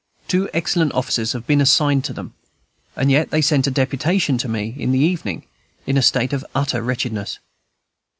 Two excellent officers have been assigned to them; and yet they sent a deputation to me in the evening, in a state of utter wretchedness.